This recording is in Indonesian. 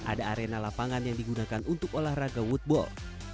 ada arena lapangan yang digunakan untuk olahraga woodball